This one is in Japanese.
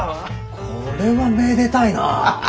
これはめでたいな！